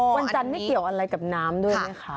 วันจันทร์ไม่เกี่ยวอะไรกับน้ำด้วยไหมคะ